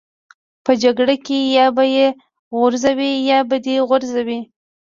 په جګړه کې یا به یې غورځوې یا به دې غورځوي